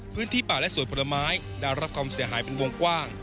พื้นที่ป่าและสวนผลไม้ได้รับความเสียหายเป็นวงกว้าง